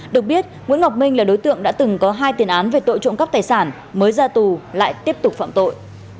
được biết nguyễn ngọc minh là đối tượng đã từng có hai tiền án về tội trộm cắp tài sản mới ra tù lại tiếp tục phạm tội